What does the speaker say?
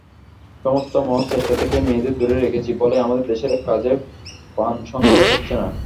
সমস্ত মহৎ চেষ্টা থেকে মেয়েদের দূরে রেখেছি বলেই আমাদের দেশের কাজে প্রাণসঞ্চার হচ্ছে না।